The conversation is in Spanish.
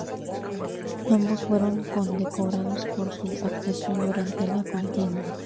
Ambos fueron condecorados por su actuación durante la contienda.